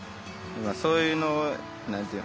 そういうのを何て言うの？